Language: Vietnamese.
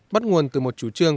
bắt nguồn từ một chủ trương